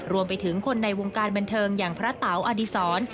รวมไปถึงคนในวงการบันเทิงอย่างพระเตาอดีศร